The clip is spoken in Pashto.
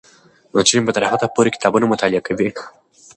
نجونې به تر هغه وخته پورې کتابونه مطالعه کوي.